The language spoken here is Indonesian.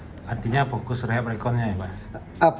artinya fokus rehab rekonnya ya pak